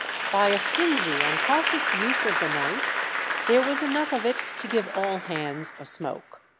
By a stingy and cautious use of the knife there was enough of it to give all hands a smoke.